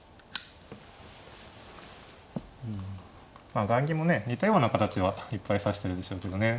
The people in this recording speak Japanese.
まあ雁木もね似たような形はいっぱい指してるでしょうけどね。